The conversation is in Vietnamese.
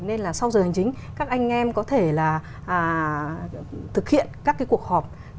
nên là sau giờ hành chính các anh em có thể là thực hiện các cái cuộc họp